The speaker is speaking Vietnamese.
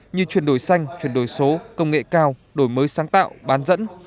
như chuyển đổi xanh chuyển đổi số công nghệ cao đổi mới sáng tạo bán dẫn